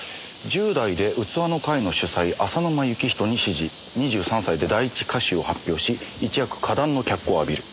「１０代で器の会の主宰浅沼幸人に師事」「２３歳で第一歌集を発表し一躍歌壇の脚光を浴びる」